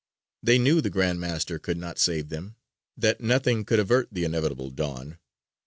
They knew the Grand Master could not save them, that nothing could avert the inevitable dawn.